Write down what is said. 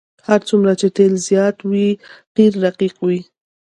هر څومره چې تیل زیات وي قیر رقیق وي